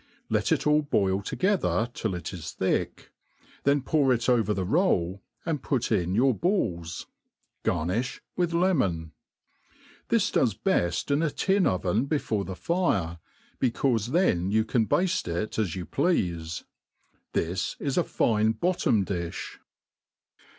Let it all boil together till it is thick ; then pour it over the roll, and put in your balls. Garnifli with lemon. This does beft in a tin oven before the fire, becaufe then yott can bafte it as you pleafe. This is a fine bottom diib.